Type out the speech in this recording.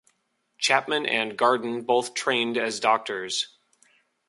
Chapman and Garden both trained as doctors.